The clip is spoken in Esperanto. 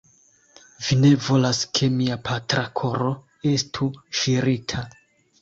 Vi ne volas, ke mia patra koro estu ŝirita.